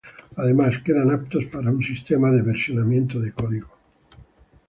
Además, quedan aptos para un sistema de versionamiento de código.